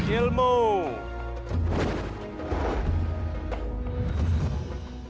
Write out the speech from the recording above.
beliau memperkenalkan pemerintah